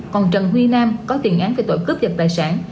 còn trần huy nam có tiền án về tội cướp giật tài sản